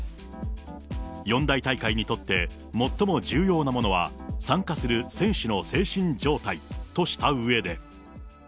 四大大会にとって最も重要なものは、参加する選手の精神状態としたうえで。